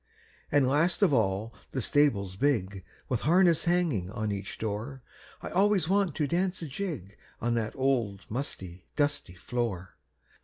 An' last of all the stable big, With harness hanging on each door, I always want to dance a jig On that old musty, dusty floor.